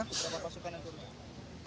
berapa pasukan yang turun